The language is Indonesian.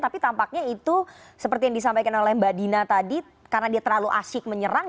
tapi tampaknya itu seperti yang disampaikan oleh mbak dina tadi karena dia terlalu asik menyerang